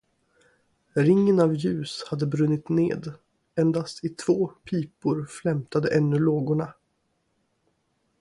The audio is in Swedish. Ringen av ljus hade brunnit ned, endast i två pipor flämtade ännu lågorna.